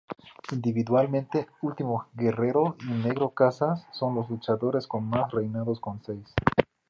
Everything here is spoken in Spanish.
Individualmente, Último Guerrero y Negro Casas son los luchadores con más reinados con seis.